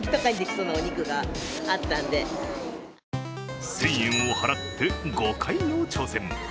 １０００円を払って５回の挑戦。